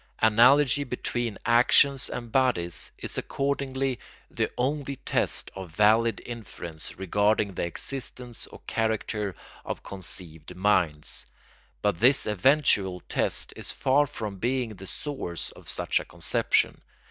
Analogy between actions and bodies is accordingly the only test of valid inference regarding the existence or character of conceived minds; but this eventual test is far from being the source of such a conception.